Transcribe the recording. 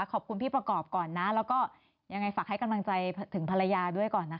ขอบคุณพี่ประกอบก่อนนะแล้วก็ยังไงฝากให้กำลังใจถึงภรรยาด้วยก่อนนะคะ